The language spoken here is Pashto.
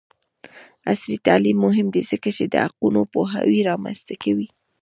عصري تعلیم مهم دی ځکه چې د حقونو پوهاوی رامنځته کوي.